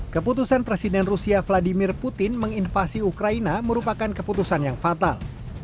keputusan presiden rusia vladimir putin menginvasi ukraina merupakan keputusan yang fatal